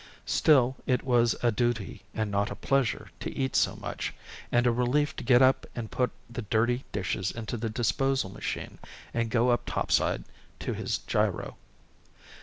Still it was a duty and not a pleasure to eat so much, and a relief to get up and put the dirty dishes into the disposal machine and go up topside to his gyro.